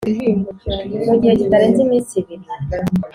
mu gihe kitarenze iminsi ibiri